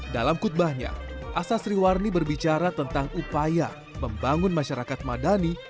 dalam kutbahnya asasri warni berbicara tentang upaya membangun masyarakat madani